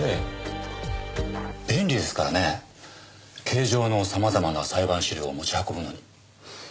便利ですからね形状の様々な裁判資料を持ち運ぶのに。